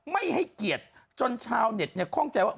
ไม่ให้เกียรติจนชาวเน็ตคล่องใจว่า